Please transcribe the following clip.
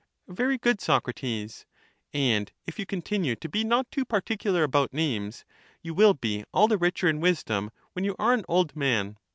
Very good, Socrates ; and, if you continue to be not manage too particular about names, you will be all the richer in a man is wisdom when you are an old man.